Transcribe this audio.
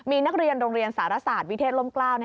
มีนักเรียนโรงเรียนสารศาสตร์วิเทศล่มกล้า